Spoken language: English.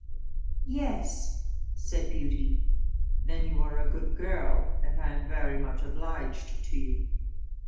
"Yes," said Beauty. "Then you are a good girl, and I am very much obliged to you."